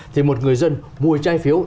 thì một người dân mua trái phiếu